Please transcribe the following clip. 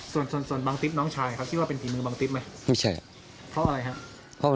ส่วนบางติ๊บน้องชายเขาคิดว่าเป็นฝีมือบางติ๊บไหม